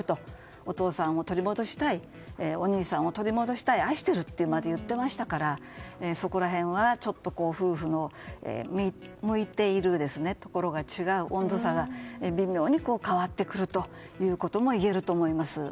お父さんを取り戻したいお兄さんを取り戻したい愛しているとまで言っていたのでそこら辺は夫婦の向いているところが違う温度差が微妙に変わっていくということもいえると思います。